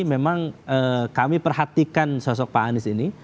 memang kami perhatikan sosok pak anies ini